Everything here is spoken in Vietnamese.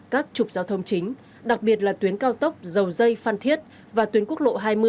các trục giao thông chính đặc biệt là tuyến cao tốc dầu dây phan thiết và tuyến quốc lộ hai mươi